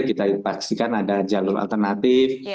kita pastikan ada jalur alternatif